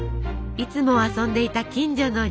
いつも遊んでいた近所の神社。